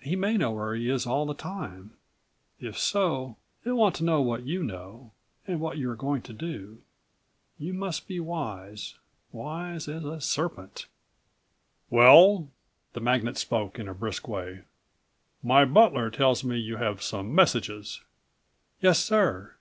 He may know where he is all the time. If so, he'll want to know what you know, and what you are going to do. You must be wise—wise as a serpent." "Well?" the magnate spoke in a brisk way. "My butler tells me you have some messages." "Yes, sir."